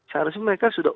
seharusnya mereka sudah